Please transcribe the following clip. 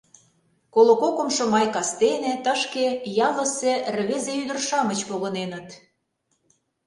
Коло кокымшо май кастене тышке ялысе рвезе-ӱдыр-шамыч погыненыт.